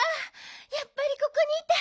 やっぱりここにいた。